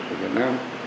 của việt nam